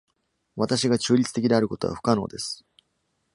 私が中立的であることは不可能です。